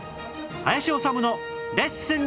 『林修のレッスン！